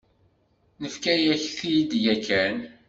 Nefka-yak-t-id yakan.